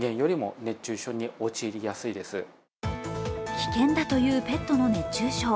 危険だというペットの熱中症。